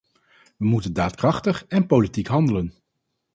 We moeten daadkrachtig en politiek handelen.